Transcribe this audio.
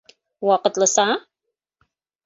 Ваҡытлыса?